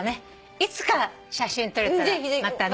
いつか写真撮れたらまたね。